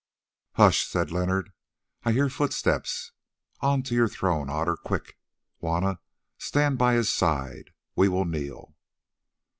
"Hush!" said Leonard, "I hear footsteps! On to your throne, Otter! Quick, Juanna! stand by his side; we will kneel!"